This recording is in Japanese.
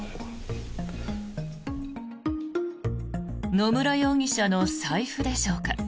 野村容疑者の財布でしょうか。